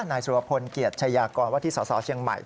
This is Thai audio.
นายสุรพลเกียรติชายากรว่าที่สสเชียงใหม่